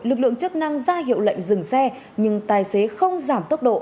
lực lượng chức năng ra hiệu lệnh dừng xe nhưng tài xế không giảm tốc độ